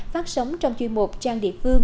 phát sóng trong duy mục trang địa phương